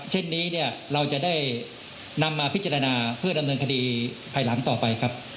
เช่นนี้เนี่ยเราจะได้นำมาพิจารณาเพื่อดำเนินคดีภายหลังต่อไปครับ